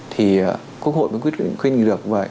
thì quốc hội mới quyết định được vậy